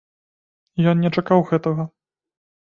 Ён не чакаў гэтага.